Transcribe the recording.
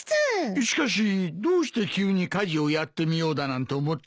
しかしどうして急に家事をやってみようだなんて思ったんだね？